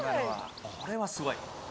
これはすごい。